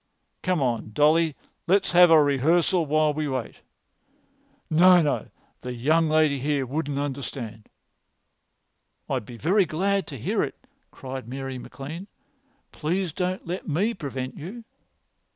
"Come on, Dolly, let's have a rehearsal while we wait." "No, no; the young lady here wouldn't understand." "I'd be very glad to hear it," cried Mary MacLean. "Please don't let me prevent you."